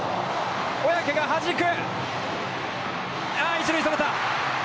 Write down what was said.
１塁、それた！